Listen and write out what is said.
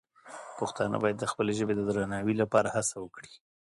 پښتانه باید د خپلې ژبې د درناوي لپاره هڅه وکړي.